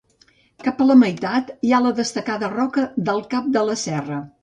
Cap a la meitat hi ha la destacada Roca del Cap de la Serra.